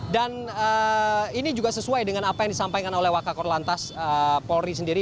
dan ini juga sesuai dengan apa yang disampaikan oleh wakakor lantas polri sendiri